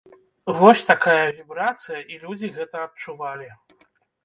Вось такая вібрацыя і людзі гэта адчувалі!